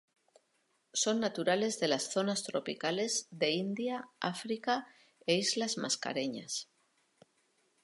Son naturales de las zonas tropicales de India África, e Islas Mascareñas.